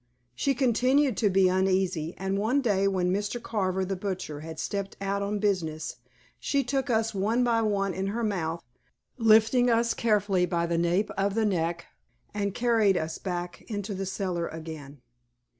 She continued to be uneasy, and one day when Mr. Carver, the butcher, had stepped out on business, she took us one by one in her mouth, lifting us carefully by the nape of the neck, and carried us back into the cellar again.